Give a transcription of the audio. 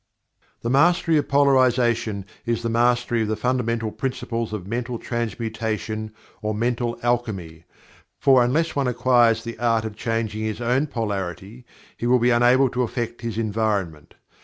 The mastery of Polarization is the mastery of the fundamental principles of Mental Transmutation or Mental Alchemy, for unless one acquires the art of changing his own polarity, he will be unable to affect his environment.